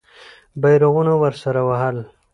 بیرغونه ورسره وهل.